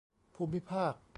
ภูมิภาค